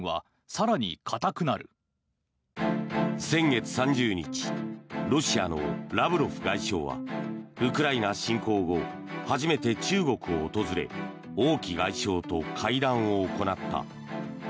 先月３０日ロシアのラブロフ外相はウクライナ侵攻後初めて中国を訪れ王毅外相と会談を行った。